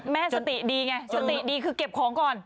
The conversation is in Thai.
แม่สติดีไงสติดีคือเก็บของก่อน